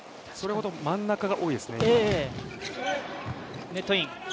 それぐらい真ん中が多いですね。